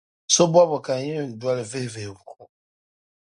So’ bɔbigu ka n yɛn dɔli vihi vihigu ŋɔ.